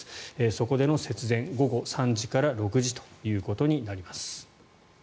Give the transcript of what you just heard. そこでの節電、午後３時から６時ということになります。